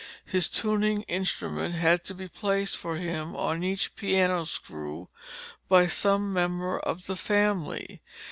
His tuning instrument had to be placed for him on each piano screw by some member of the family.